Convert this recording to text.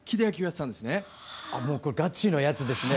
もうこれガチのやつですね。